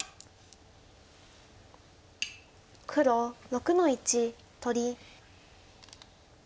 黒６の一取り。